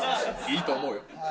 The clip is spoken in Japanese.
いいと思う。